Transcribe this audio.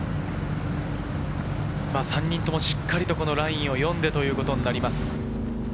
３人ともしっかりラインを読んでということになります。